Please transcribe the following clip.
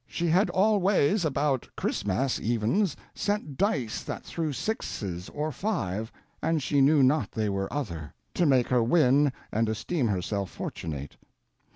She had allwayes about Christmass evens set dice that threw sixes or five, and she knew not they were other, to make her win and esteame herself fortunate.